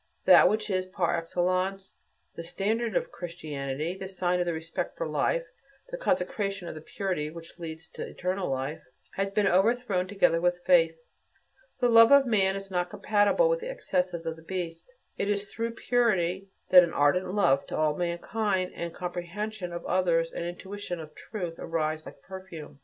That which is, par excellence, the standard of Christianity, the sign of respect for life, the consecration of the purity which leads to eternal life, has been overthrown together with faith. The love of man is not compatible with the excesses of the beast. It is through purity that an ardent love to all mankind, and comprehension of others, and intuition of truth, arise like a perfume.